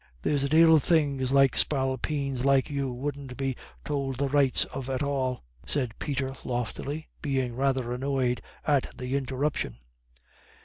"There's a dale of things little spalpeens like you wouldn't be tould the rights of at all," said Peter, loftily, being rather annoyed at the interruption.